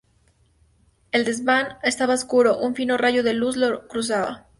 El desván estaba oscuro, un fino rayo de luz lo cruzaba